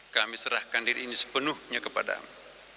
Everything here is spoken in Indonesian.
kami serahkan diri ini sepenuhnya kepada mu